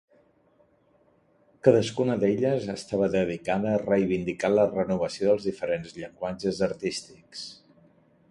Cadascuna d'elles estava dedicada a reivindicar la renovació dels diferents llenguatges artístics.